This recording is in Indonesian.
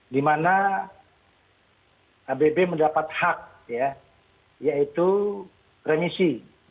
di mana abb mendapat hak yaitu remisi